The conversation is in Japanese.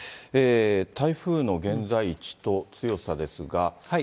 台風の現在地と強さですが。